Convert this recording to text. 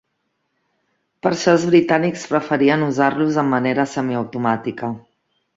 Per això els britànics preferien usar-los en manera semiautomàtica.